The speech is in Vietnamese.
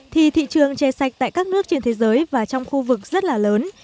thì thị trường chè sạch tại các nước trên thế giới và trong khu vực rất là lớn